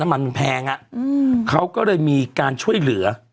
น้ำมันมันแพงอ่ะเขาก็เลยมีการช่วยเหลือ